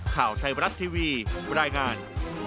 ข่าวชัยบรัฐทีวีวันดายงาน